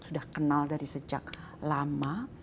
sudah kenal dari sejak lama